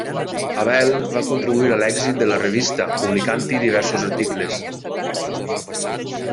Abel va contribuir a l'èxit de la revista, publicant-hi diversos articles.